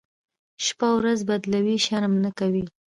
شپه ورځ بدلوي، شرم نه کوي.